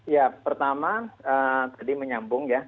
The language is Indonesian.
ya pertama tadi menyambung ya